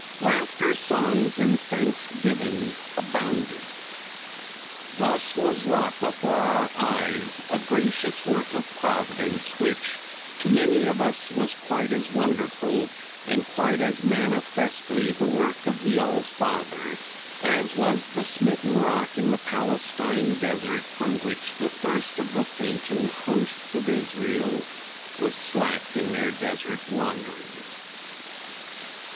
Laughter, songs and thanksgiving abounded. Thus was wrought before our eyes a gracious work of Providence which to many of us was quite as wonderful and quite as manifestly the work of the All Father as was the smitten rock in the Palestine desert from which the thirst of the fainting hosts of Israel was slacked in their desert wanderings.